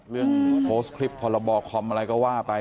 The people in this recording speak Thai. เรื่องโพสต์คลิปพรบคอมอะไรก็ว่าไป